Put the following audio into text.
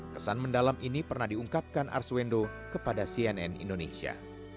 kesan mendalam ini pernah diungkapkan arswendo kepada cnn indonesia